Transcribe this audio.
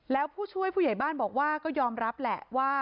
แล้วผู้ช่วยผู้ใหญ่บ้านบอกว่าก็ยอมรับแหละว่า